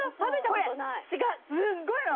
これすっごいの。